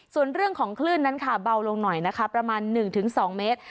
ส่วนเรื่องของคลื่นนั้นค่ะเบาลงหน่อยนะคะประมาณ๑๒เมตร